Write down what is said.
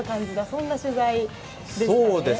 そんな取材でしたね。